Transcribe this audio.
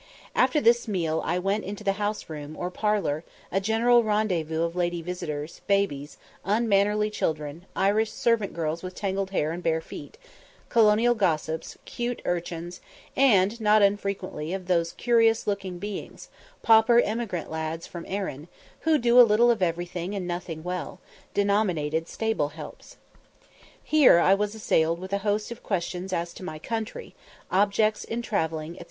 After this meal I went into the "house room," or parlour, a general "rendezvous" of lady visitors, babies, unmannerly children, Irish servant girls with tangled hair and bare feet, colonial gossips, "cute" urchins, and not unfrequently of those curious looking beings, pauper emigrant lads from Erin, who do a little of everything and nothing well, denominated stable helps. Here I was assailed with a host of questions as to my country, objects in travelling, &c.